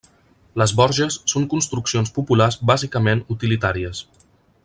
Les borges són construccions populars bàsicament utilitàries.